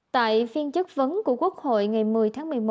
tại phiên chất vấn của quốc hội ngày một mươi tháng một mươi một